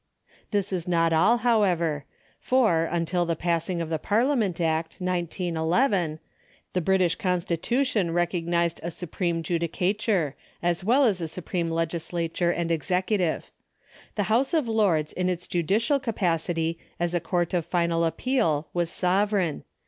^ This is not all, however, for, until the passing of the Parliament Act, 1911, the British constitution recognised a supreme judicature, as well as a supreme legislature and executive. The Houseof Lords in its judicial capacity as a court of final ap[)eal was sovereign.